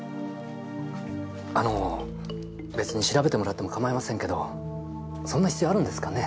あの別に調べてもらっても構いませんけどそんな必要あるんですかね？